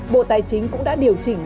bộ tài chính cũng đã điều chỉnh